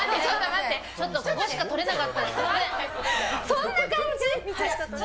そんな感じ？